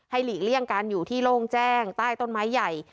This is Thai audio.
หลีกเลี่ยงการอยู่ที่โล่งแจ้งใต้ต้นไม้ใหญ่